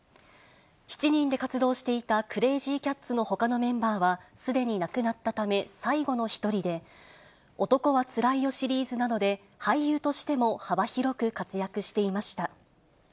７人で活動していたクレージーキャッツのほかのメンバーはすでに亡くなったため、最後の１人で、男はつらいよシリーズなどで、俳優としても幅広く活躍していました。